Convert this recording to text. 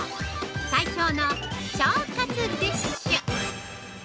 最強の腸活ディッシュ。